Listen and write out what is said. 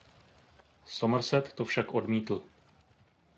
Somerset to však odmítl.